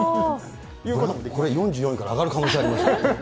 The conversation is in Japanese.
これ、４４位から上がる可能性もあります。